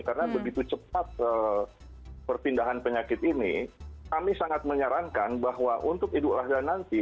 karena begitu cepat pertindahan penyakit ini kami sangat menyarankan bahwa untuk idul adha nanti